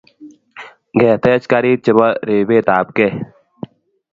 ngetech karik chebo rebet tab kei